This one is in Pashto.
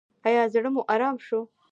ایا زړه مو ارام شو؟